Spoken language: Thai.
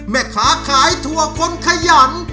แม่ขาขายถั่วคนขยัน